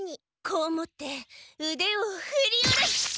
こう持ってうでをふり下ろす！